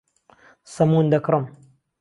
سەمون دەکڕم.